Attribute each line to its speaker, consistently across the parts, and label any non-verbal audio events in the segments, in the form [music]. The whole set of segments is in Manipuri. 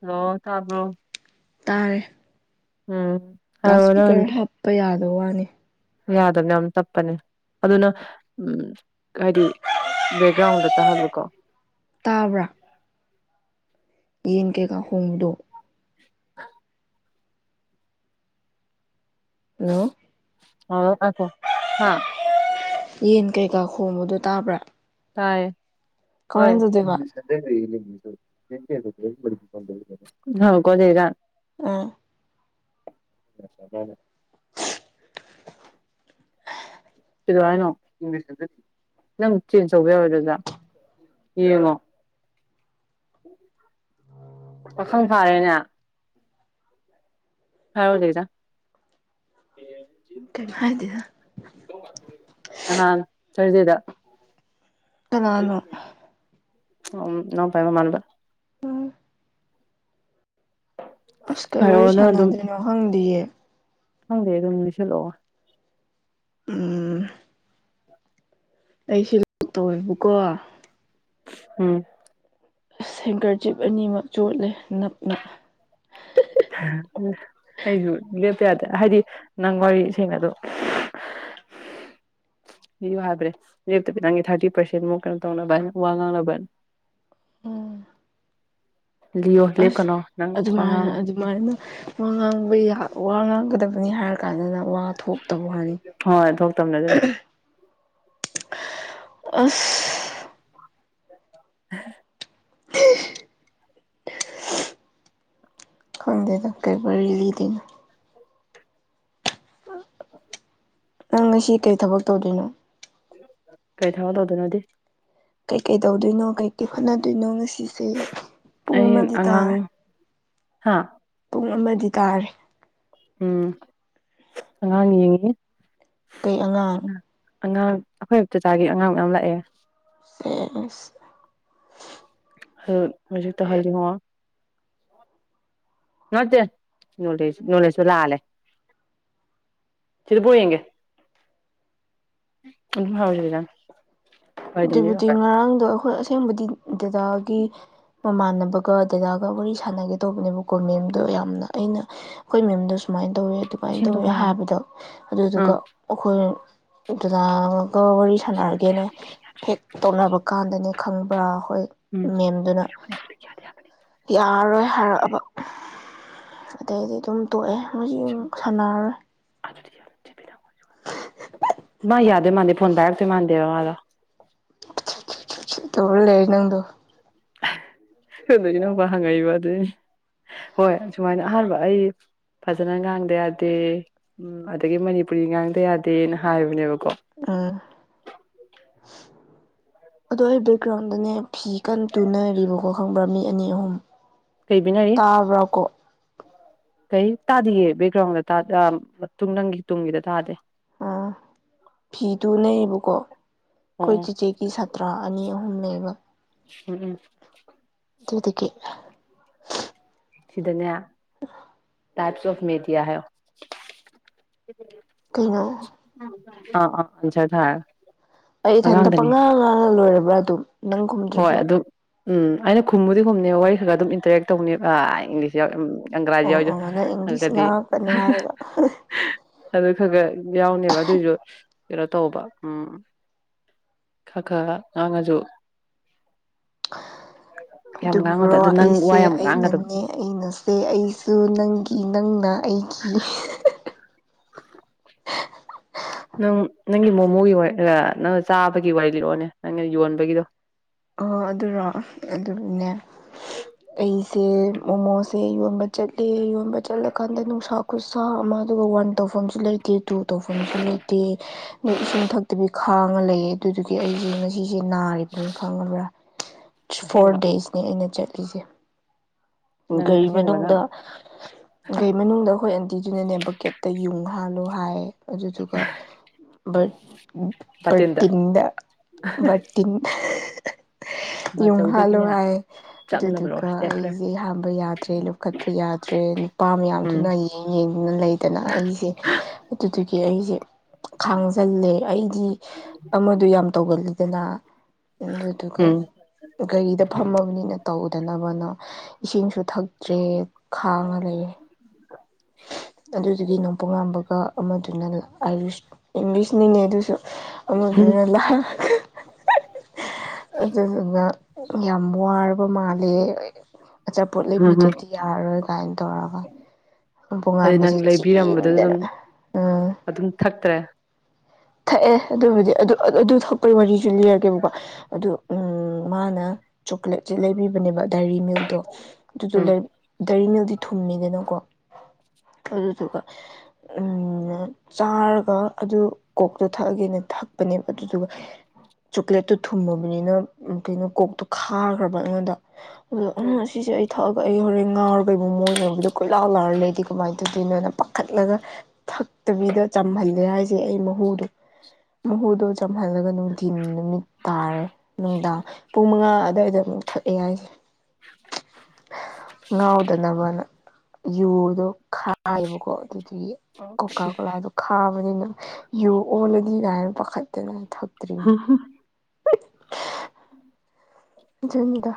Speaker 1: ꯍꯜꯂꯣ ꯇꯥꯕ꯭ꯔꯣ
Speaker 2: ꯇꯔꯦ
Speaker 1: ꯎꯝ
Speaker 2: ꯂꯥꯎ
Speaker 1: ꯍꯥꯏꯔꯣ ꯅꯪ
Speaker 2: ꯏꯁꯄꯤꯀꯔ ꯍꯥꯞꯄ ꯌꯥꯗ ꯋꯥꯅꯤ
Speaker 1: ꯌꯥꯗꯕꯅꯦ ꯌꯥꯝ ꯇꯞꯄꯅꯦ ꯑꯗꯨꯅ ꯎꯝ ꯍꯥꯏꯗꯤ ꯕꯦꯛꯒ꯭ꯔꯥꯎꯟꯗ ꯇꯥꯍꯜꯂꯨꯀꯣ
Speaker 2: ꯇꯥꯕ꯭ꯔꯥ ꯌꯦꯟ ꯀꯩꯀꯥ ꯍꯣꯡꯕꯗꯣ ꯍꯜꯂꯣ
Speaker 1: ꯍꯥꯎ ꯑꯈꯣ ꯍꯥꯥ
Speaker 2: ꯌꯦꯟ ꯀꯩꯀꯥ ꯈꯣꯡꯕꯗꯣ ꯇꯥꯕ꯭ꯔꯥ
Speaker 1: ꯇꯥꯏꯦ ꯍꯣꯏ
Speaker 2: ꯀꯃꯥꯏꯅ ꯇꯧꯗꯣꯏꯕ
Speaker 1: ꯍ ꯀꯂꯦꯖ
Speaker 2: ꯑꯥ
Speaker 1: [unintelligible] ꯀꯗ ꯍꯥꯏꯅꯣ ꯅꯪ ꯇ꯭ꯔꯦꯟ ꯇꯧꯕ ꯌꯥꯔꯦ ꯑꯗꯨꯗ ꯌꯦꯃ ꯄꯊꯪ ꯐꯔꯦꯅꯦ ꯍꯥꯎ ꯂꯩꯗ
Speaker 2: ꯑꯣ ꯍꯥꯏꯗꯗ
Speaker 1: ꯆꯔꯗꯦꯗ
Speaker 2: ꯅꯅ
Speaker 1: ꯎ ꯅ ꯐꯥꯏꯃ ꯃꯥꯟꯕꯥꯟꯕ
Speaker 2: ꯑꯁ ꯀꯩ
Speaker 1: ꯍꯥꯏꯔꯛꯑꯣ
Speaker 2: ꯋꯥꯔꯤꯔꯤ ꯁꯥꯟꯅꯗ꯭ꯔꯤꯅꯣ ꯍꯪꯗꯤꯌꯦ
Speaker 1: ꯍꯪꯗꯦ ꯑꯗꯨꯝꯁꯤꯂꯣ
Speaker 2: ꯎ ꯑꯩꯁ ꯂꯣꯛ ꯇꯧꯋꯦꯕꯀꯣ
Speaker 1: ꯎꯝ
Speaker 2: ꯁꯦꯡꯒꯔꯖꯤꯞ ꯑꯅꯤꯃꯛ ꯆꯣꯠꯂꯦ ꯅꯞꯅ
Speaker 1: ꯑꯩꯁꯨ ꯂꯦꯞꯇ ꯌꯥꯗꯦ ꯍꯥꯏꯗꯤ ꯅꯪ ꯋꯥꯔꯤ ꯁꯦꯡ ꯑꯗꯣ [unintelligible] ꯌꯨ ꯍꯥꯏꯕ꯭ꯔꯦꯦꯞꯇ ꯅꯪꯒꯤ ꯊꯥꯔꯇꯤ ꯄꯥꯔꯁꯦꯟ ꯑꯃꯨꯛ ꯀꯩꯅꯣ ꯇꯧꯅꯕ ꯍꯥꯏꯅ ꯋꯥ ꯉꯥꯡꯅꯕ ꯍꯥꯏꯅ
Speaker 2: ꯎꯝ
Speaker 1: ꯂꯤꯌꯣ
Speaker 2: ꯑꯁ
Speaker 1: ꯂꯦꯞꯀꯅꯣ ꯅꯪ
Speaker 2: ꯑꯗꯨꯃꯥꯏꯅ
Speaker 1: ꯋꯥꯉꯥꯡ
Speaker 2: ꯑꯗꯨꯃꯥꯏꯅ ꯋꯥ ꯉꯥꯡꯕ ꯋꯥ ꯉꯥꯡꯒꯗꯕꯅꯤ ꯍꯥꯏꯔ ꯀꯥꯟꯗꯅ ꯋꯥ ꯊꯣꯛꯇꯧ ꯍꯥꯏꯅꯤ
Speaker 1: ꯍꯣꯏ ꯊꯣꯛꯇꯕꯅꯦ ꯑꯗꯨꯅꯦ
Speaker 2: ꯑꯁ
Speaker 1: [unintelligible]
Speaker 2: ꯈꯪꯗꯦ ꯇ ꯀꯩ ꯋꯥꯔꯤꯔꯤ ꯂꯤꯗꯅ
Speaker 1: ꯎ [inaudible]
Speaker 2: ꯅꯪ ꯉꯁꯤ ꯀꯔꯤ ꯊꯕꯛ ꯇꯧꯗꯣꯏꯔꯤꯅꯣ
Speaker 1: ꯀꯩ ꯊꯃ ꯇꯧꯗꯅꯣꯗꯤ
Speaker 2: ꯀꯩꯀꯩ ꯇꯧꯗꯣꯏꯅꯣ ꯀꯩꯀꯩ ꯍꯣꯠꯅꯗꯣꯏꯅꯣ ꯉꯁꯤꯁꯦ ꯄꯨꯡ ꯑꯃꯗꯤ ꯇꯥꯔꯦ
Speaker 1: ꯍꯥꯥ
Speaker 2: ꯄꯨꯡ ꯑꯃꯗꯤ ꯇꯥꯔꯦ
Speaker 1: ꯎꯝ ꯑꯉꯥꯡ ꯌꯦꯡꯉ
Speaker 2: ꯀꯩ ꯑꯉꯥꯡ
Speaker 1: ꯑꯉꯥꯡ ꯑꯩꯈꯣꯏ ꯃ ꯆꯆꯥꯒꯤ ꯑꯉꯥꯡ ꯃꯌꯥꯝ ꯂꯥꯛꯑꯦ
Speaker 2: ꯁꯤ
Speaker 1: ꯍ ꯍꯧꯖꯤ ꯇꯍꯖꯣ ꯃꯠꯇꯦ ꯅꯅꯨꯡꯂꯁ ꯂꯥꯟꯂꯦ ꯆꯔꯤꯄꯨꯔꯔꯤ ꯌꯦꯒꯦ ꯎ ꯍꯥꯎꯗꯗ
Speaker 2: ꯗꯦꯕꯨꯇꯤ ꯉꯔꯥꯡꯗꯣ ꯑꯩꯈꯣꯏ ꯑꯁꯦꯡꯕꯗꯤ ꯗꯗꯥꯒꯤ ꯃꯃꯥꯟꯅꯕꯒ ꯗꯗꯥꯒ ꯋꯥꯔꯤ ꯁꯥꯟꯅꯒꯦ ꯇꯧꯕꯅꯦꯕꯀꯣ ꯃꯦꯝꯗꯣ ꯌꯥꯝꯅ ꯑꯩꯅ ꯑꯩꯈꯣꯏ ꯃꯦꯝꯗꯣ ꯁꯨꯃꯥꯏꯅ ꯇꯧꯋꯤ ꯑꯗꯨꯃꯥꯏꯅ ꯇꯧꯋꯤ
Speaker 1: ꯁꯦꯝꯗꯣꯛꯄ ꯌꯥꯕꯅꯤ
Speaker 2: ꯍꯥꯏꯕꯗꯣ
Speaker 1: ꯑꯥ
Speaker 2: ꯑꯗꯨꯗꯨꯒ ꯑꯩꯈꯣꯏ ꯖꯂꯥ ꯋꯥꯔꯤ ꯁꯥꯟꯅꯔꯒꯦꯅ ꯍꯦꯛ ꯇꯧꯅꯕ ꯀꯥꯟꯗꯅꯦ ꯈꯪꯕ꯭ꯔꯥ ꯑꯩꯈꯣꯏ
Speaker 1: ꯎꯝ
Speaker 2: ꯃꯦꯝꯗꯨꯅ
Speaker 1: ꯌꯥꯗꯤ ꯌꯥꯕꯅꯤ
Speaker 2: ꯌꯥꯔꯔꯣꯏ ꯍꯥꯏꯔꯛꯑꯕ ꯑꯗꯩꯗꯤ ꯑꯗꯨꯝ ꯇꯣꯛꯑꯦ ꯃ ꯁꯥꯟꯅꯔꯔꯣꯏ
Speaker 1: ꯑꯗꯨꯗꯤ ꯃꯥ ꯌꯥꯗ ꯃꯥꯗ ꯐꯣꯟꯅꯁ ꯃꯥꯗ ꯋꯥ
Speaker 2: ꯇꯧꯔ ꯂꯩ ꯅꯪꯗꯣ
Speaker 1: ꯑꯗꯨꯅꯕ ꯍꯪꯉꯛꯏꯕ ꯑꯗꯨꯏꯅꯤ ꯍꯣꯏ ꯁꯨꯃꯥꯏꯅ ꯑꯍꯥꯟꯕ ꯑꯩ ꯐꯖꯅ ꯉꯥꯡꯗ ꯌꯥꯗꯦ ꯎꯝ ꯑꯗꯒꯤ ꯃꯅꯤꯄꯨꯔꯤ ꯉꯥꯡꯗ ꯌꯥꯗꯦꯅ ꯍꯥꯏꯕꯅꯦꯕꯀꯣ
Speaker 2: ꯑꯥ
Speaker 1: [unintelligible]
Speaker 2: ꯑꯗꯣ ꯑꯩ ꯕꯦꯛꯒ꯭ꯔꯥꯎꯟꯗꯅꯦ ꯐꯤ ꯀꯟꯅ ꯇꯨꯅꯔꯤꯕꯀꯣ ꯈꯪꯕ꯭ꯔꯥ ꯃꯤ ꯑꯅꯤ ꯑꯍꯨꯝ
Speaker 1: ꯀꯩ ꯕꯤꯅꯔꯤ
Speaker 2: ꯇꯥꯕ꯭ꯔꯣꯀꯣ
Speaker 1: ꯀꯩ ꯇꯥꯗꯤꯒꯦ ꯕꯦꯛꯒ꯭ꯔꯥꯎꯟꯗ ꯃꯇꯨꯡ ꯅꯪꯒꯤ ꯇꯨꯡꯒꯤꯗ ꯇꯥꯗꯦ
Speaker 2: ꯑꯥ ꯐꯤꯗꯨ ꯂꯩꯌꯦꯕꯀꯣ
Speaker 1: ꯑꯣ
Speaker 2: ꯑꯩꯈꯣꯏ
Speaker 1: ꯑꯣ
Speaker 2: ꯆꯤꯆꯦꯒꯤ ꯁꯥꯇ꯭ꯔꯥ ꯑꯅꯤ ꯑꯍꯨꯝ ꯎ ꯂꯩꯕ
Speaker 1: ꯎꯝ ꯎꯝ
Speaker 2: ꯑꯗꯨꯗꯒꯤ
Speaker 1: ꯁꯤꯗꯅꯦ ꯇꯥꯏꯞꯁ ꯑꯣꯐ ꯃꯦꯗꯤꯌꯥ ꯍꯥꯏ
Speaker 2: ꯀꯩꯅꯩꯅꯣ
Speaker 1: ꯑꯥ ꯑꯖ ꯊꯔ
Speaker 2: ꯑꯩ ꯏꯊꯟꯇ ꯄ ꯉꯥꯡ ꯉꯥꯡ ꯂꯣꯏꯔꯕ꯭ꯔꯥ ꯑꯗꯨꯝ ꯅꯪ
Speaker 1: ꯍꯣꯏ
Speaker 2: ꯈꯨꯝꯗ꯭ꯔꯁꯨ
Speaker 1: ꯑꯗꯨꯝ ꯎꯝ ꯑꯩꯅ ꯈꯨꯝꯃꯨꯗꯤ ꯈꯨꯝꯅꯦ ꯋꯥꯔꯤ ꯈꯔ ꯑꯗꯨꯝ ꯏꯟꯇꯔꯦꯛ ꯇꯧꯅꯦꯕ ꯑ ꯏꯪꯂꯤꯁ ꯑꯒ꯭ꯔꯥꯖꯤ
Speaker 2: ꯑꯣ ꯑꯣ ꯅꯪ ꯏꯪꯂꯤꯁ
Speaker 1: ꯌꯥꯎꯁꯨꯗꯤ
Speaker 2: ꯉꯥꯡꯉꯛꯀꯅꯨ ꯍꯥꯏꯔꯒ
Speaker 1: ꯑꯗꯨ ꯈꯔ ꯈꯔ ꯌꯥꯎꯅꯦꯕ ꯑꯗꯨꯏꯁꯨ ꯀꯩꯅꯣ ꯇꯧꯕ ꯎꯝ ꯀ ꯀꯥ ꯉꯥꯡꯉꯖꯣ
Speaker 2: ꯑꯗꯨꯕꯨꯔꯣ ꯑꯩꯁꯦ
Speaker 1: ꯉꯥꯡꯒꯗꯕ
Speaker 2: ꯑꯩꯅꯅꯦ ꯑꯩꯅꯁꯦ ꯑꯩꯁꯨ ꯅꯪꯒꯤ ꯅꯪꯅ ꯑꯩ [unintelligible] [inaudible]
Speaker 1: ꯎꯝ ꯅꯪ ꯅꯪꯒꯤ ꯃꯣꯃꯣꯒꯤ ꯅꯪꯅ ꯆꯥꯕꯒꯤ ꯋꯥꯔꯤ ꯂꯤꯔꯛꯑꯣꯅꯦ ꯅꯪꯅ ꯌꯣꯟꯕꯒꯤꯗꯣ
Speaker 2: ꯑ ꯑꯗꯨꯔꯣ ꯑꯗꯨꯅꯦ ꯑꯩꯁꯦ ꯃꯣꯃꯣꯁ ꯁꯦ ꯌꯣꯟꯕ ꯆꯠꯂꯦ ꯌꯣꯟꯕ ꯆꯠꯂꯀꯥꯟꯗ ꯅꯨꯡꯁꯥꯎ ꯈꯨꯠꯁꯥ ꯑꯃ ꯑꯗꯨꯒ ꯋꯥꯟ ꯇꯧꯐꯝꯁꯨ ꯂꯩꯇꯦ ꯇꯨ ꯇꯧꯐꯝꯁꯨ ꯂꯩꯇꯦ ꯑꯗꯣ ꯏꯁꯤꯡ ꯊꯛꯇꯕꯤ ꯍꯥꯡꯉ ꯂꯩꯌꯦ ꯑꯗꯨꯗꯨꯒꯤ ꯑꯩꯁꯦ ꯉꯁꯤꯁꯦ ꯅꯥꯔꯤꯕꯅꯤ ꯈꯪꯉꯕ꯭ꯔꯥ ꯐꯣꯔ
Speaker 1: ꯑꯁꯦꯡꯕ
Speaker 2: ꯗꯦꯖꯅꯦ ꯑꯩꯅ ꯆꯠꯂ ꯄꯤꯖꯦ
Speaker 1: ꯅꯪ
Speaker 2: ꯒꯥꯔꯤ
Speaker 1: ꯑꯁꯦꯡꯕꯅ
Speaker 2: ꯃꯅꯨꯡꯗ ꯒꯥꯔꯤ ꯃꯅꯨꯡꯗ ꯑꯩꯈꯣꯏ ꯑꯟꯇꯤꯗꯨꯅ ꯅꯦꯝꯕꯀꯦꯠꯇ ꯌꯨꯡ ꯍꯥꯂꯨ ꯍꯥꯏꯌꯦ ꯑꯗꯨꯗꯨꯒꯕꯔ
Speaker 1: ꯕꯥꯇꯤꯟꯗ
Speaker 2: ꯄꯇꯤꯟꯗ ꯤꯟꯤꯟ ꯌꯣꯡ ꯍꯥꯜꯂꯣ
Speaker 1: ꯕꯥꯆꯧꯗꯒꯤꯅꯦ
Speaker 2: ꯍꯥꯏ
Speaker 1: ꯆꯞꯅꯕ
Speaker 2: ꯑꯗꯨꯗꯨꯒ
Speaker 1: ꯂꯧꯔ
Speaker 2: ꯑꯩ
Speaker 1: ꯏꯁꯇꯦꯄ꯭ꯂꯔ
Speaker 2: ꯑꯩ ꯍꯥꯥꯟꯕ ꯌꯥꯗ꯭ꯔꯦ ꯂꯨꯞꯈꯠꯄ ꯌꯥꯗ꯭ꯔꯦ ꯅꯨꯄꯥ ꯃꯌꯥꯝꯗꯨꯅ
Speaker 1: ꯎꯝ
Speaker 2: ꯌꯦꯡ ꯌꯦꯡꯗꯨꯅ ꯂꯩꯗꯅ ꯑꯩꯁꯦ ꯑꯗꯨꯗꯨꯗꯒꯤ ꯑꯩꯁꯦ ꯈꯥꯡꯖꯜꯂꯦ ꯑꯩꯗꯤ ꯑꯃꯗ ꯌꯥꯝ ꯇꯧꯒꯜꯂꯤꯗꯅ ꯑꯗꯨꯗꯨꯒ
Speaker 1: ꯎꯝ
Speaker 2: ꯒꯥꯔꯤꯗ ꯐꯝꯃꯕꯅꯤ ꯩꯅ ꯇꯧꯗꯅꯕꯅ ꯏꯁꯤꯡꯁꯨ ꯊꯛꯇ꯭ꯔꯦ ꯈꯥꯡꯉ ꯂꯩꯌꯦ ꯑꯗꯨꯗꯨꯗꯒꯤ ꯅꯣꯡꯄꯣꯛ ꯌꯥꯝꯝꯕꯒ ꯑꯃꯗꯨꯅ ꯑꯥꯏꯔꯤꯁ ꯏꯪꯂꯤꯁꯅꯤꯅꯦ ꯑꯗꯨꯁꯨ
Speaker 1: ꯎꯝ
Speaker 2: ꯑꯃꯗꯨꯅ ꯂꯥꯛ ꯑꯗꯨꯗꯨꯅ ꯌꯥꯝ ꯋꯥꯔ ꯕ ꯃꯥꯜꯂꯦ ꯑꯆꯥꯄꯣꯠ
Speaker 1: ꯎꯝ ꯎꯝ
Speaker 2: ꯂꯩꯕꯤꯗꯗꯤ ꯌꯥꯔꯔꯣꯏ ꯀꯥꯏꯅ ꯇꯧꯔꯒ
Speaker 1: ꯑꯗꯨ
Speaker 2: ꯄꯣꯉꯥꯟꯕꯁꯦ
Speaker 1: ꯅꯪ ꯂꯩꯕꯤꯔꯝꯕꯗꯨ ꯑꯗꯨꯝ
Speaker 2: ꯆꯦꯟꯗꯅ ꯎꯝ
Speaker 1: ꯑꯗꯨꯝ ꯊꯛꯇ꯭ꯔꯦ
Speaker 2: ꯊꯛꯑꯦ ꯑꯗꯨꯕꯨꯗꯤ ꯑꯗꯨ ꯑꯗꯨ ꯊꯛꯄꯒꯤ ꯋꯥꯔꯤꯁꯨ ꯂꯤꯔꯒꯦꯕꯀꯣ ꯑꯗꯨ ꯎ ꯃꯥꯅ ꯆꯣꯀ꯭ꯂꯦꯠꯁꯦ ꯂꯩꯕꯤꯕꯅꯦꯕ ꯗꯥꯏꯔꯤ ꯃꯤꯜꯗꯣ ꯑꯗꯨꯗꯣ
Speaker 1: ꯎꯝ
Speaker 2: ꯀꯔꯤꯅꯦꯜꯗꯤ ꯊꯨꯝꯅꯤꯗꯅꯀꯣ ꯑꯗꯨ ꯊꯒ ꯎꯝ ꯆꯥꯔꯒ ꯑꯗꯨ ꯀꯣꯛꯇꯣ ꯊꯛꯑꯒꯦꯅ ꯊꯛꯄꯅꯦꯕ ꯑꯗꯨꯗꯨꯒ ꯆꯣꯀ꯭ꯂꯦꯠꯇꯣ ꯊꯨꯝꯃꯕꯅꯤꯅ ꯀꯩꯅꯣ ꯀꯣꯛꯇꯣ ꯈꯥꯈ꯭ꯔꯕ ꯑꯩꯉꯣꯟꯗ ꯑꯗꯣ ꯑ ꯁꯤꯁꯦ ꯑꯩ ꯊꯛꯑꯒ ꯑꯩ ꯍꯣꯔꯦꯟ ꯉꯥꯎꯔꯒꯩꯕꯨ ꯃꯣꯏꯅꯔꯕꯗ ꯀꯣꯏꯂꯥ ꯂꯥꯔ ꯂꯩꯦꯗꯤ ꯀꯃꯥꯏꯅ ꯑꯗꯨꯗꯤ ꯅꯅ ꯄꯥꯈꯠꯂꯒ ꯊꯛꯇꯕꯤꯗ ꯆꯝꯍꯜꯂꯦ ꯍꯥꯏꯁꯦ ꯑꯩ ꯃꯍꯨꯗꯣ ꯃꯍꯨꯗꯣ ꯆꯝꯍꯜꯂꯒ ꯅꯨꯡꯊꯤꯤꯟ ꯅꯨꯃꯤꯠ ꯇꯥꯔꯦ ꯅꯨꯡꯗꯥꯡ ꯄꯨꯡ ꯃꯉꯥ ꯑꯗꯨꯗꯋꯥꯏꯗ ꯑꯃꯨꯛ ꯊꯛꯑꯦ ꯍꯥꯏꯁꯦ ꯉꯥꯎꯗꯅꯕꯅ ꯌꯨ ꯑꯣ ꯈꯥꯏꯕꯀꯣ ꯑꯗꯨꯒꯤ ꯀꯣꯀꯥ ꯀꯣꯂꯥꯗꯣ ꯈꯥꯕꯅꯤꯅ ꯌꯨ ꯑꯣꯂꯗꯤ ꯥꯏꯅ ꯄꯈꯠꯠꯇ ꯊ
Speaker 1: ꯍ ꯍ [unintelligible] [inaudible]
Speaker 2: ꯟꯗ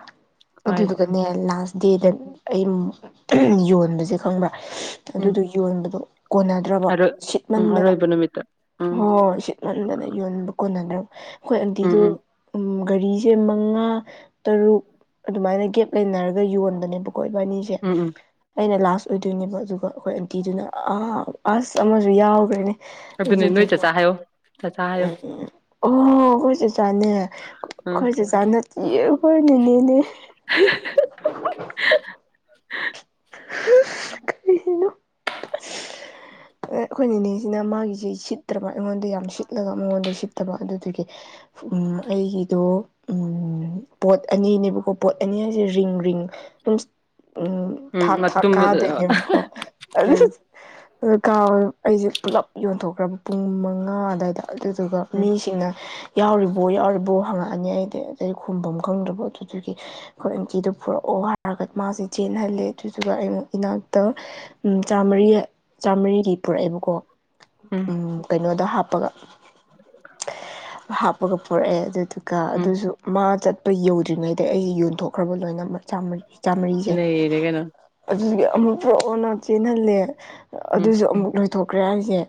Speaker 1: ꯋꯥꯏꯁꯦ
Speaker 2: ꯑꯗꯨꯗꯨꯒꯅꯦ ꯂꯥꯁ ꯗꯦꯗ
Speaker 1: ꯎꯝ
Speaker 2: ꯑꯩ ꯌꯣꯟꯕꯁꯦ ꯈꯪꯕ
Speaker 1: ꯎꯝ
Speaker 2: ꯑꯗꯨꯗꯣ ꯌꯣꯟꯕꯗꯣ ꯀꯣꯟꯅꯗ꯭ꯔꯕ
Speaker 1: ꯑꯔꯣꯏ ꯎꯝ
Speaker 2: ꯁꯤꯠꯃꯟꯗꯅ
Speaker 1: ꯑꯔꯣꯏꯕ ꯅꯨꯃꯤꯠꯇ ꯎꯝ
Speaker 2: ꯍ ꯁꯤ ꯅꯗ ꯂꯩ [inaudible] ꯌꯣꯟꯕ ꯀꯣꯟꯅꯗ꯭ꯔꯕ ꯑꯩꯈꯣꯏ
Speaker 1: ꯎꯝ
Speaker 2: ꯑꯪꯇꯤꯗꯨ
Speaker 1: ꯎꯝ
Speaker 2: ꯒꯥꯔꯤꯁꯦ ꯃꯉꯥ ꯇꯔꯨꯛ ꯑꯗꯨꯃꯥꯏꯅ ꯒꯦꯞ ꯂꯩꯅꯔꯒ ꯌꯣꯟꯕꯅꯦꯕꯀꯣ ꯏꯕꯥꯅꯤꯁꯦ
Speaker 1: ꯎꯝ ꯎꯝ
Speaker 2: ꯑꯩꯅ ꯂꯥꯁ ꯑꯣꯏꯗꯣꯏꯅꯦꯕ ꯑꯗꯨꯒ ꯑꯩꯈꯣꯏ ꯑꯟꯇꯤꯗꯨꯅ ꯑꯁ ꯑꯃꯁꯨ ꯌꯥꯎꯈ꯭ꯔꯦꯅꯦ
Speaker 1: ꯑꯗꯨꯅꯦ ꯅꯣꯏ
Speaker 2: ꯖꯀ
Speaker 1: ꯆꯥꯆꯥ ꯍꯥꯏꯌꯣ ꯆꯥꯆꯥ ꯍꯥꯏꯌꯣ
Speaker 2: ꯎ ꯎ ꯑꯣ ꯑꯩꯈꯣꯏꯁꯨꯦ ꯆꯥꯅꯩ
Speaker 1: ꯎꯝ
Speaker 2: ꯑꯩꯈꯣꯏꯁꯨꯦ ꯆꯥꯅ ꯅꯤꯅꯦꯅꯦ
Speaker 1: [inaudible]
Speaker 2: ꯀꯔꯤꯅꯣ
Speaker 1: [inaudible]
Speaker 2: ꯑꯩꯈꯣꯏ ꯏꯅꯦꯁꯤꯅ ꯃꯥꯒꯤꯁꯤ ꯁꯤꯠꯇ꯭ꯔꯕ ꯑꯩꯉꯣꯟꯗ ꯌꯥꯝ ꯁꯤꯠꯂꯒ ꯃꯉꯣꯟꯗ ꯁꯤꯠꯇꯕ ꯑꯗꯨꯗꯨꯒꯤ ꯑꯩꯒꯤꯗꯣ ꯄꯣꯠ ꯑꯅꯤꯅꯦꯕꯀꯣ ꯄꯣꯠ ꯑꯅꯤ ꯍꯥꯏꯁꯦ ꯔꯤꯡ ꯔꯤꯡ ꯑꯗꯨꯝ ꯎꯝ ꯊꯥꯛ ꯊꯥꯛ
Speaker 1: ꯃꯇꯨꯝ ꯎꯝ
Speaker 2: ꯀꯥꯗꯣꯏꯅꯦꯕꯀꯣ ꯑꯗꯨ ꯑꯀꯥꯔ ꯑꯩꯁꯦ ꯄꯨꯂꯞ ꯌꯣꯟꯊꯣꯛꯈ꯭ꯔꯕ ꯄꯨꯡ ꯃꯉꯥ ꯑꯗꯨꯋꯥꯏꯗ ꯑꯗꯨꯗꯨꯒ
Speaker 1: ꯎꯝ
Speaker 2: ꯃꯤꯁꯤꯡꯅ ꯌꯥꯎꯔꯤꯕꯣ ꯌꯥꯎꯔꯤꯕꯣ ꯍꯪꯉꯛꯑꯅꯤ ꯑꯩꯗꯤ ꯑꯩ ꯈꯨꯝꯐꯝ ꯈꯪꯗ꯭ꯔꯕꯣ ꯑꯗꯨꯗꯨꯒꯤ ꯑꯩꯈꯣꯏ ꯑꯦꯟꯇꯤꯗꯨꯣ ꯄꯨꯔꯛ ꯑꯣ ꯍꯥꯏꯔꯒ ꯃꯥꯁꯦ ꯆꯦꯟꯍꯜꯂꯦ ꯑꯗꯨꯗꯨꯒ ꯑꯩꯉꯨꯛ ꯏꯅꯥꯛꯇ ꯎ ꯆꯥꯝꯃꯔꯤ ꯆꯥꯝꯃꯔꯤꯒꯤ ꯄꯨꯔꯛꯑꯦꯕꯀꯣ ꯎꯝ ꯀꯩꯅꯣꯗꯣ ꯍꯥꯞꯄꯒ
Speaker 1: [inaudible]
Speaker 2: ꯍꯥꯞꯄꯒ ꯄꯔꯛꯑꯦ ꯑꯗꯨꯗꯨꯒ
Speaker 1: ꯎꯝ
Speaker 2: ꯑꯗꯨꯁꯨ ꯃꯥ ꯆꯠꯄ ꯌꯧꯗ꯭ꯔꯤꯉꯩꯗ ꯑꯩꯒꯤ ꯌꯣꯟꯊꯣꯛꯈ꯭ꯔꯕ ꯂꯣꯏꯅꯃꯛ ꯆꯔꯤ ꯆꯝꯔꯤꯁꯦ
Speaker 1: ꯅꯩꯔꯦ ꯀꯩꯅꯣ
Speaker 2: ꯑꯗꯨꯒꯤ ꯑꯃꯨꯛ ꯄꯨꯔꯛꯑꯣꯅ ꯆꯦꯟꯍꯜꯂꯦ
Speaker 1: ꯎꯝ
Speaker 2: ꯑꯗꯨꯁꯨ ꯑꯃꯨꯛ ꯂꯣꯏꯊꯣꯛꯈ꯭ꯔꯦ ꯍꯥꯏꯁꯦ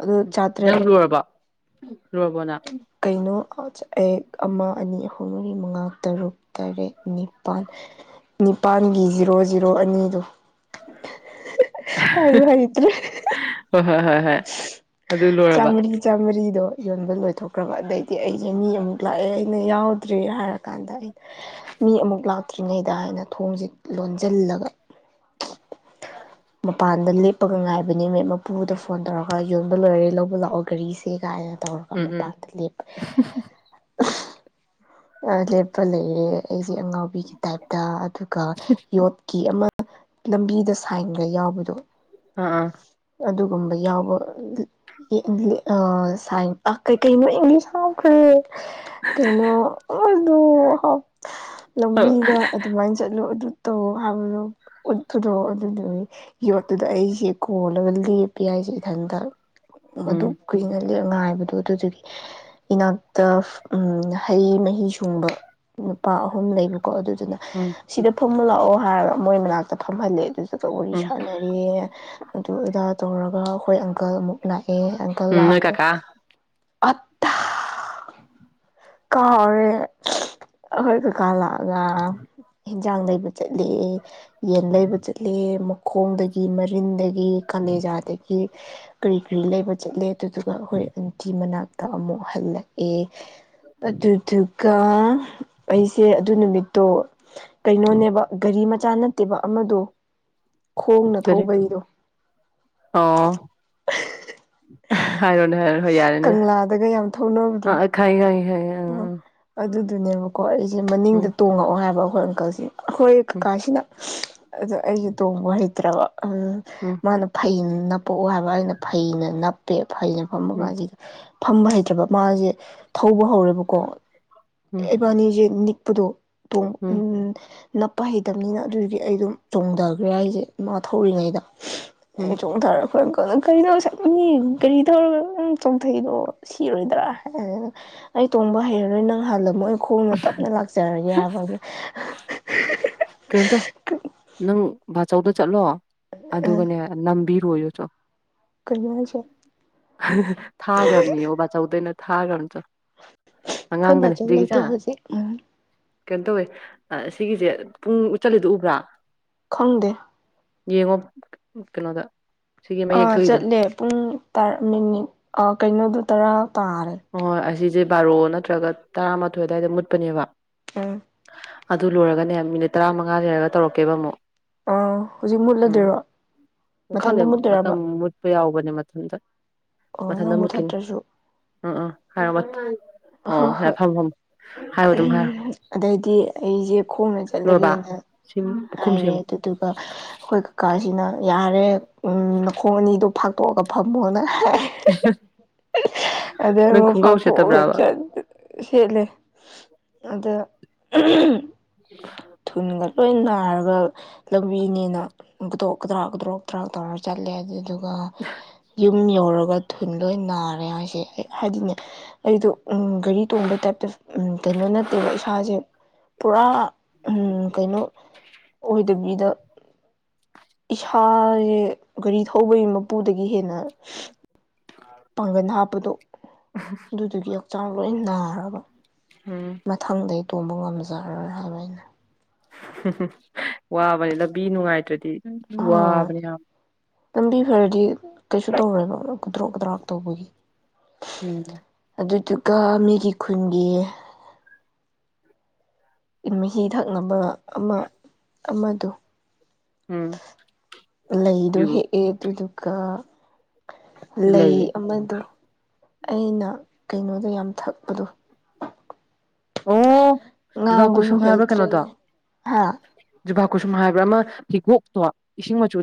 Speaker 2: ꯑꯗꯨ ꯆꯥꯇ꯭ꯔꯦꯠ
Speaker 1: ꯅꯪ ꯂꯨꯔꯔꯕꯔꯕꯣ ꯂꯨꯔꯕꯣ ꯅ
Speaker 2: ꯀꯩꯅꯣ ꯑ ꯑꯃ ꯑꯅꯤ ꯑꯍꯨꯝ ꯃꯔꯤ ꯃꯉꯥ ꯇꯔꯨꯛ ꯇꯔꯦꯠ ꯅꯤꯄꯥꯜ ꯅꯤꯄꯥꯜꯒꯤ ꯖꯤꯔꯣ ꯖꯤꯔꯣ ꯑꯅꯤꯗꯨꯣ ꯑꯔ ꯃ ꯏꯇ꯭ꯔꯦ
Speaker 1: ꯍꯣꯏ ꯍꯣꯏ ꯍꯣꯏ ꯍꯣꯏ ꯑꯗꯨ ꯂꯣꯏꯔꯕ
Speaker 2: ꯐꯗꯣ ꯌꯣꯟꯕ ꯂꯣꯏꯊꯣꯛꯈ꯭ꯔꯕ ꯑꯗꯩꯗꯤ ꯑꯩꯁꯦ ꯃꯤ ꯑꯃꯨꯛ ꯂꯥꯛꯑꯦ ꯑꯩꯅ ꯌꯥꯎꯗ꯭ꯔꯦ ꯍꯥꯏꯔ ꯀꯥꯟꯗ ꯑꯩ ꯃꯤ ꯑꯃꯨꯛ ꯂꯥꯛꯇ꯭ꯔꯤꯉꯩꯗ ꯍꯥꯏꯅ ꯊꯣꯡꯁꯦ ꯂꯣꯟꯁꯤꯜꯂꯒ ꯃꯄꯥꯟꯗ ꯂꯦꯞꯄꯒ ꯉꯥꯏꯕꯅꯤ ꯃ ꯃꯄꯨꯗ ꯐꯣꯟ ꯇꯧꯔꯒ ꯌꯣꯟꯕ ꯂꯣꯏꯔꯦ ꯂꯧꯕ ꯂꯥꯛꯑꯣ ꯒꯥꯔꯤꯁꯦ ꯀꯥꯏꯅ ꯇꯧꯔꯒ
Speaker 1: ꯎꯝ ꯎꯝ
Speaker 2: ꯃꯄꯥꯟꯗ ꯂꯦꯞꯄ ꯂꯦꯞꯄ ꯂꯩꯌꯦꯦ ꯑꯩꯁꯦ ꯑꯉꯥꯎꯕꯤꯒꯤ ꯇꯥꯏꯞꯇ ꯑꯗꯨꯒ ꯌꯣꯠꯀꯤ ꯑꯃ ꯂꯝꯕꯤꯗ ꯁꯥꯏꯟꯒ ꯌꯥꯎꯕꯗꯣ
Speaker 1: ꯑꯥ ꯑ
Speaker 2: ꯨꯝꯕ ꯌꯥꯎꯕꯥꯏꯟ ꯀ ꯀꯩ ꯏꯪꯂꯤꯁ ꯍꯥꯎꯈ꯭ꯔꯦ ꯀꯩꯅꯣ ꯃꯗ
Speaker 1: ꯑꯥ
Speaker 2: ꯂꯝꯕꯤꯗ ꯑꯗꯨꯃꯥꯏꯅ ꯆꯠꯂꯨ ꯑꯗꯨꯠꯇ ꯍꯥꯏ ꯎꯠꯇꯨꯗꯣ ꯑꯗꯨꯗꯨ ꯌꯣꯠꯇꯨꯗ ꯑꯩꯁꯦ ꯀꯣꯜꯂꯒ ꯂꯦꯞꯄꯦ ꯍꯥꯏꯏꯁꯦ ꯏꯊꯟꯇ ꯃꯗꯨ
Speaker 1: ꯎꯝ
Speaker 2: ꯀꯨꯏꯅ ꯂ ꯉꯥꯏꯕꯗꯣ ꯑꯗꯨꯗꯒꯤ ꯏꯅꯥꯛꯇ ꯎꯝ ꯍꯩ ꯃꯍꯤ ꯁꯨꯡꯕ ꯅꯨꯄꯥ ꯑꯍꯨꯝ ꯂꯩꯕ ꯀꯣ ꯑꯗꯨꯗꯨꯅ
Speaker 1: ꯎꯝ
Speaker 2: ꯁꯤꯗ ꯐꯝꯍꯜꯂꯥꯛꯑꯣ ꯍꯥꯏꯔꯒ ꯃꯣꯏ ꯃꯅꯥꯛꯇ ꯐꯝꯍꯜꯂꯦ ꯑꯗꯨ ꯇ ꯋꯥꯔꯤ
Speaker 1: ꯎꯝ
Speaker 2: ꯁꯥꯟꯅꯔꯤ ꯑꯗꯨ ꯑꯗꯥ ꯇꯧꯔꯒ ꯑꯩꯈꯣꯏ ꯑꯪꯀꯜ ꯑꯃꯨꯛ ꯂꯥꯛꯑ ꯑꯪꯀꯜ
Speaker 1: ꯎꯝ ꯅꯣꯏ
Speaker 2: ꯂꯒ
Speaker 1: ꯀꯀꯥ
Speaker 2: ꯑ ꯀꯥꯔꯦ ꯍꯣꯏ ꯀ ꯀꯥꯂꯑꯒ ꯍꯤꯟꯖꯥꯡ ꯂꯩꯕ ꯆꯠꯂ ꯌꯦꯟ ꯂꯩꯕ ꯆꯠꯂ ꯃꯈꯣꯡꯗꯒꯤ ꯃꯔꯤꯟꯗꯒꯤ ꯀꯅ ꯌꯥꯗꯦ ꯀꯔꯤ ꯀꯔꯤ ꯂꯩꯕ ꯆꯂꯦ ꯑꯗꯨꯗꯨꯒ ꯑꯩꯈꯣꯏ ꯑꯟꯇꯤ ꯃꯅꯥꯛꯇ ꯑꯃꯨꯛ ꯍꯜꯂꯛꯑꯦ ꯑꯗꯨꯗꯨꯒ ꯑꯩꯁꯦ ꯑꯗꯨ ꯅꯨꯃꯤꯠ ꯇꯣ ꯀꯩꯅꯣꯅꯦꯕ ꯒꯥꯔꯤ ꯃꯆꯥ ꯅꯠꯇꯦꯕ ꯑꯃꯗꯣ ꯈꯣꯡꯅ
Speaker 1: ꯐꯔꯤ
Speaker 2: ꯊꯧꯕꯒꯤꯗꯣ
Speaker 1: ꯑ ꯍꯥꯏꯔꯣꯅꯦ ꯍꯥꯏꯔꯣ ꯍꯣꯏ ꯌꯥꯔꯦꯅꯦ
Speaker 2: ꯀꯪꯂꯥꯗꯒ ꯌꯥꯝ
Speaker 1: ꯑ
Speaker 2: ꯊꯧꯅꯕꯗꯣ
Speaker 1: ꯑꯩ ꯈꯪꯉꯤ ꯈꯪꯉꯤ ꯍ [unintelligible]
Speaker 2: ꯑꯗꯨꯅꯦꯕꯀꯣ ꯑꯩꯁꯦ ꯃꯅꯤꯡꯗ ꯇꯣꯡꯉꯛꯑꯣ ꯍꯥꯏꯕ ꯑꯩꯈꯣꯏ ꯑꯪꯀꯜꯁꯦ ꯑꯩꯈꯣꯏ
Speaker 1: ꯎꯝ
Speaker 2: ꯀꯀꯥꯁꯤꯅ ꯑꯗꯣ ꯑꯩꯒꯤ ꯇꯣꯡꯕ ꯍꯩꯇ꯭ꯔꯕ ꯎꯝ ꯃꯥꯅ ꯐꯩ ꯄꯣꯛꯎ ꯍꯥꯏꯕ ꯑꯩꯅ ꯐꯩꯅ ꯅꯞꯄꯦ ꯐꯩꯅ ꯐꯝꯕ
Speaker 1: ꯎꯝ
Speaker 2: ꯀꯥꯟꯁꯤꯗ ꯐꯝꯕ ꯍꯩꯇꯔꯕ ꯃꯥꯁꯦ ꯊꯧꯕ ꯍꯧꯔꯦꯕꯀꯣ
Speaker 1: ꯎꯝ
Speaker 2: ꯏꯕꯥꯅꯤꯁꯦ ꯅꯤꯛꯄꯗꯣ [unintelligible] ꯎꯝ ꯅꯞꯄ ꯍꯩꯇꯕꯅꯤꯅ ꯑꯗꯨꯒꯤ ꯑꯩꯗꯨ ꯆ‌ꯣꯡꯊꯈ꯭ꯔꯦ ꯍꯥꯏꯁꯦ ꯃꯥ ꯊꯧꯔꯤꯉꯩꯗ
Speaker 1: ꯎꯝ
Speaker 2: ꯑꯩ ꯆꯣꯡꯊꯥꯔꯒ ꯀꯔꯤꯅ‌ꯣ [unintelligible] ꯀꯔꯤ ꯇꯧꯔꯒ ꯅꯪ ꯆꯣꯡꯊꯩꯗ‌ꯣ ꯁꯤꯔꯣꯏꯗ꯭ꯔꯥ ꯑꯩ ꯇꯣꯡꯕ ꯍꯩꯔꯔꯣꯏ ꯅꯪ ꯍꯥꯜꯂꯝꯃ‌ꯣ ꯈꯣꯡꯅ ꯇꯞꯅ ꯂꯥꯛꯆꯔꯒꯦ ꯍꯥꯏꯕ ꯑꯗ [unintelligible]
Speaker 1: ꯀꯩꯅꯣꯇꯧ ꯅꯪ ꯕꯥꯆꯧꯗ ꯆꯠꯂꯣ ꯑꯗꯨꯒꯅꯦ ꯅꯝꯕꯤꯔꯣꯏꯌ‌ꯣ ꯆ‌ꯣ
Speaker 2: ꯀꯩꯅꯣ ꯍꯥꯏꯁꯦ
Speaker 1: ꯊꯥꯒꯔꯝꯅꯤꯑꯣ ꯕꯥꯆꯎꯗ ꯑꯩꯅ ꯊꯥꯒꯔꯝꯅꯤ ꯆ‌ꯣ
Speaker 2: ꯑꯩꯈꯣꯏ
Speaker 1: ꯑꯉꯥꯡꯗꯅꯤ
Speaker 2: ꯕꯥꯆꯧ ꯂꯩꯇꯦ ꯍꯧꯖꯤꯛ ꯎꯝ
Speaker 1: [unintelligible] ꯀꯩꯅꯣ ꯇꯧꯋꯦ ꯁꯤꯒꯤꯁꯦ ꯄꯨꯡ ꯎꯠꯆꯜꯂꯤꯗꯣ ꯎꯕ꯭ꯔꯥ
Speaker 2: ꯈꯪꯗꯦ
Speaker 1: ꯌꯦꯡꯉꯣ ꯀꯩꯅꯣꯗ ꯁꯤꯒꯤ
Speaker 2: ꯑ
Speaker 1: ꯃꯌꯦꯛ ꯊꯣꯛꯏꯗꯣ
Speaker 2: ꯆꯠꯂꯦ ꯄꯨꯡ ꯃꯤꯅꯤꯠ ꯀꯩꯅꯣꯗꯨ ꯇꯔꯥ ꯇꯥꯔꯦ
Speaker 1: ꯍꯣꯏ ꯍꯣꯏ ꯑꯁꯤꯁꯦ ꯕꯥꯔꯣ ꯅꯠꯇ꯭ꯔꯒ ꯇꯔꯥꯃꯥꯊꯣꯏ ꯑꯗꯨꯋꯥꯏꯗ ꯃꯨꯠꯄꯅꯦꯕ
Speaker 2: ꯎꯝ
Speaker 1: ꯑꯗꯨ ꯂꯣꯏꯔꯒꯅꯦ ꯃꯤꯅꯤꯠ ꯇꯔꯥꯃꯉꯥ ꯂꯩꯔꯒ ꯇꯧꯔꯛꯀꯦꯕ ꯑꯃꯨꯛ
Speaker 2: ꯑꯥ ꯍꯧꯖꯤꯛ ꯃꯨꯠꯂꯗꯣꯏꯔꯣ
Speaker 1: ꯎꯝ ꯈꯪꯗꯦ
Speaker 2: ꯃꯊꯟꯇ
Speaker 1: ꯃꯇꯝ
Speaker 2: ꯃꯨꯠꯇꯣꯏꯔꯕ
Speaker 1: ꯃꯨꯠꯄ ꯌꯥꯎꯕꯅꯦ ꯃꯊꯟꯇ
Speaker 2: ꯑꯣ
Speaker 1: ꯃꯊꯟꯇ
Speaker 2: ꯅꯪ
Speaker 1: ꯃꯨꯠꯈꯤꯅꯤ
Speaker 2: ꯃꯨꯊꯠꯇ꯭ꯔꯁꯨ
Speaker 1: ꯎꯝ ꯎꯝ ꯍꯥꯏ ꯑꯣ ꯐꯝ
Speaker 2: ꯍꯣꯏ
Speaker 1: ꯐꯝ
Speaker 2: ꯑꯗꯩꯗꯤ ꯑꯩꯁꯦ ꯈꯣꯡꯅ
Speaker 1: ꯂꯣꯏꯔꯕ
Speaker 2: ꯆꯠꯂꯒꯦꯅ
Speaker 1: ꯁꯤ ꯄꯨꯈꯨꯝ
Speaker 2: ꯍꯥꯏꯔꯦ
Speaker 1: ꯁꯦꯝꯃꯨ
Speaker 2: ꯑꯗꯨꯗꯨꯒ ꯑꯩꯈꯣꯏ ꯀꯀꯥꯁꯤꯅ ꯌꯥꯔꯦ ꯎꯝ ꯃꯈꯣꯡ ꯑꯅꯤꯗꯣ ꯐꯥꯛꯇꯣꯛꯑꯒ ꯐꯝꯃꯣꯅ ꯍꯥꯏ ꯑꯗꯩ
Speaker 1: ꯅꯪ
Speaker 2: ꯑꯃꯨꯛ
Speaker 1: ꯈꯣꯡꯒ꯭ꯔꯥꯎ
Speaker 2: ꯐꯥꯛꯇꯣꯛꯑꯒ
Speaker 1: ꯁꯦꯠꯇꯕ꯭ꯔꯥꯕ
Speaker 2: ꯁꯦꯠꯂꯦ ꯑꯗ ꯊꯨꯟꯒ
Speaker 1: [unintelligible]
Speaker 2: ꯂꯣꯏ ꯅꯥꯔꯒ ꯂꯝꯕꯤꯅꯤꯅ ꯗꯣꯛ ꯀꯗ꯭ꯔꯥꯛ ꯒꯗ꯭ꯔꯣꯛ ꯀ꯭ꯔꯥꯛ ꯇꯧꯔ ꯆꯠꯂꯦ ꯑꯗꯨ ꯑꯗꯨꯒ ꯌꯨꯝ ꯌꯧꯔꯒ ꯊꯨꯟ ꯂꯣꯏ ꯅꯥꯔꯦ ꯍꯥꯏꯁꯦ ꯑꯩ ꯍꯥꯏꯗꯤꯅꯦ ꯑꯩꯗꯣ ꯒꯥꯔꯤ ꯇꯣꯡꯕꯩ ꯇꯥꯏꯞꯇ ꯀꯩꯅꯣ ꯅꯠꯇꯦꯕ ꯏꯁꯥꯁꯦ ꯄꯨꯔꯥ ꯎ ꯀꯩꯅꯣ ꯑꯣꯏꯗꯕꯤꯗ ꯏꯁꯥꯁꯦ ꯒꯥꯔꯤ ꯊꯧꯕꯒꯤ ꯃꯄꯨꯗꯒꯤ ꯍꯦꯟꯅ ꯄꯥꯡꯒꯟ ꯍꯥꯞꯄꯗꯣ ꯑꯗꯨꯗꯨꯒꯤ ꯍꯛꯆꯥꯡ ꯂꯣꯏ ꯅꯥꯔꯕ
Speaker 1: ꯎꯝ
Speaker 2: ꯃꯊꯪꯗ ꯇꯣꯡꯕ ꯉꯝꯖꯔꯣꯏ ꯍꯥꯏꯕ ꯑꯩꯅ
Speaker 1: ꯋꯥꯕꯅꯤ ꯂꯝꯕꯤ ꯅꯨꯡꯉꯥꯏꯇ꯭ꯔꯗꯤ
Speaker 2: ꯍꯣꯏ
Speaker 1: ꯋꯥꯕꯅꯦ ꯌꯥꯝ
Speaker 2: ꯂꯝꯕꯤ ꯐꯔꯗꯤ ꯀꯩꯁꯨ ꯇꯧꯔꯣꯏꯕ ꯈꯨꯗ꯭ꯔꯣꯛ ꯑꯗ꯭ꯔꯥꯛ ꯇꯧꯕꯒꯤ
Speaker 1: ꯎꯝ
Speaker 2: ꯑꯗꯨꯗꯨꯒ ꯃꯤꯒꯤ ꯈꯨꯟꯒꯤ ꯃꯍꯤ ꯊꯛꯅꯕ ꯑꯃ ꯑꯃꯗꯨ
Speaker 1: ꯎꯝ
Speaker 2: ꯂꯩꯗꯣ
Speaker 1: ꯑꯗꯨꯕꯨ
Speaker 2: ꯍꯦꯛꯑꯦ ꯑꯗꯨꯗꯨꯒ ꯂꯩ
Speaker 1: ꯂꯩꯌꯦ
Speaker 2: ꯑꯃꯗꯣ ꯑꯩꯅ ꯀꯩꯅꯣꯗꯣ ꯌꯥꯝ ꯊꯛꯄꯗꯣ
Speaker 1: ꯑꯣ ꯖꯨꯕꯥꯛ
Speaker 2: ꯉꯥꯡꯕꯁꯨ
Speaker 1: ꯀꯨꯁꯨꯝ ꯍꯥꯏꯕ꯭ꯔ ꯀꯩꯅꯣ
Speaker 2: ꯍꯩꯇ꯭ꯔꯦꯅꯦ
Speaker 1: ꯗ‌ꯣ
Speaker 2: ꯍꯥ
Speaker 1: ꯖꯨꯕꯥ ꯀꯨꯁꯨꯝ ꯍꯥꯏꯕ꯭ꯔꯥ ꯑꯃ ꯍꯤꯒꯣꯛꯇꯣ ꯏꯁꯤꯡ ꯃꯆꯨ